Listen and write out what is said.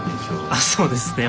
あっそうですね。